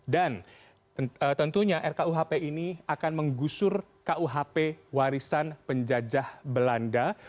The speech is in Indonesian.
dan tentunya rkuhp ini akan menggusur kuhp warisan penjajah belanda